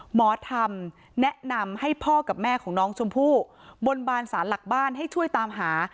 หมอธรรมแนะนำให้พ่อกับแม่ของน้องชมพู่บนบานสารหลักบ้านให้ช่วยตามหา